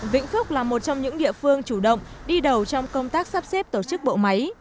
vĩnh phúc là một trong những địa phương chủ động đi đầu trong công tác sắp xếp tổ chức bộ máy